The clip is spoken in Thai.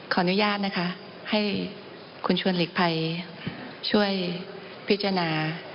ขออนุญาตนะคะให้คุณชวนหลีกภัยช่วยพิจารณา